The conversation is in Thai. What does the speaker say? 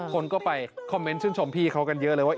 คนก็ไปคอมเมนต์ชื่นชมพี่เขากันเยอะเลยว่า